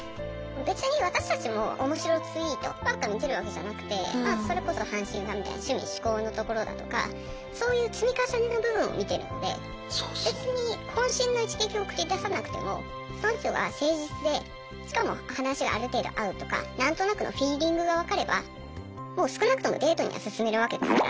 別に私たちもオモシロツイートばっか見てるわけじゃなくてまあそれこそ阪神ファンみたいな趣味嗜好のところだとかそういう積み重ねの部分を見てるので別に渾身の一撃を繰り出さなくてもその人が誠実でしかも話がある程度合うとか何となくのフィーリングが分かればもう少なくともデートには進めるわけですから。